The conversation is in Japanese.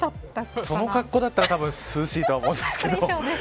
その格好だったら涼しいとは思うんですけど。